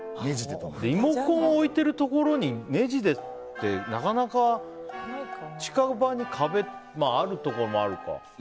リモコンを置いてるところにねじでってなかなか近場に壁がまあ、あるところもあるか。